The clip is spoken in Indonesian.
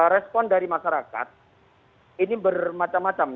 respon dari masyarakat ini bermacam macam